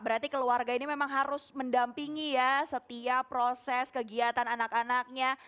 berarti keluarga ini memang harus mendampingi ya setiap proses kegiatan anak anaknya